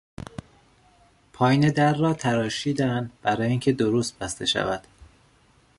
پایین در را تراشیدن برای اینکه درست بسته شود